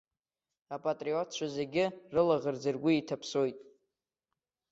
Апатриотцәа зегьы рылаӷырӡ ргәы иҭаԥсоит.